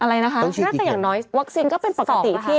อะไรน่ะนางน้อยวัคซีนก็เป็นปกติ